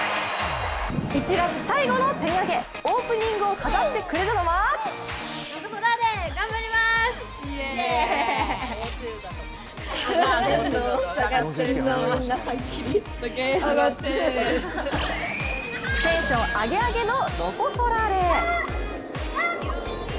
１月最後のテン上げオープニングを飾ってくれるのはテンション上げ上げのロコ・ソラーレ。